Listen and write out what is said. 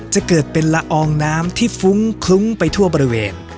จะเกิดเป็นละอองน้ำที่ฟุ้งคลุ้งไปทั่วบริเวณ